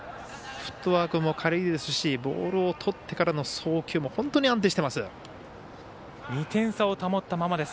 フットワークも軽いですしボールをとってからの送球も本当に安定してます。